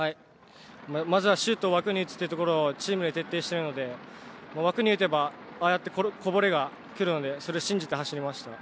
まずはシュートを枠に打つということをチームで徹底しているので、枠に打てば、こぼれが来るので、それを信じて走りました。